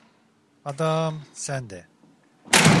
Adaaam sen de!